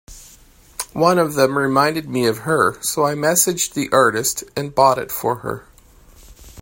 One of them reminded me of her, so I messaged the artist and bought it for her.